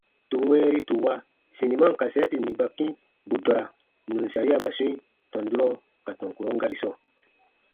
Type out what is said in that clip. Tù wɛ̃ɛri tù wa siniman kasɛɛti nì ba kĩ bù dɔra nù n sariaba swĩi tɔn durɔ ka tɔn kurɔn gari sɔɔ.